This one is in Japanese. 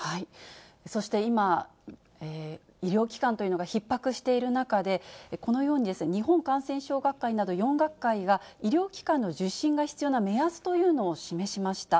そして、今、医療機関というのがひっ迫している中で、このように、日本感染症学会など、４学会が医療機関の受診が必要な目安というのを示しました。